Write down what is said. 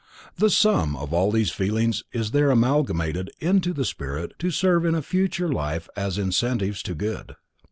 The sum of all these feelings is there amalgamated into the spirit to serve in a future life as incentives to good.